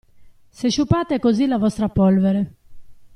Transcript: Se sciupate così la vostra polvere.